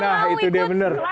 nah itu deh bener